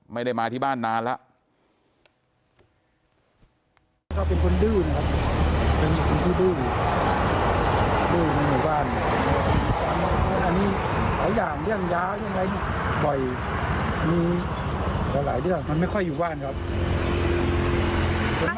ไม่ได้มาที่บ้านนานแล้ว